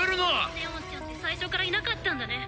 「祢音ちゃんって最初からいなかったんだね」